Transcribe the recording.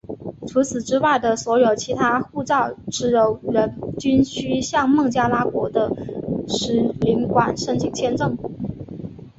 除此之外的所有其他护照持有人均须向孟加拉国的使领馆申请签证。